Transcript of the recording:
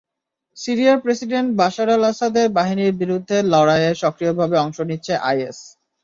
সিরিয়ার president Bashar আল-আসাদের বাহিনীর বিরুদ্ধে লড়াইয়ে সক্রিয়ভাবে অংশ নিচ্ছে আইএস।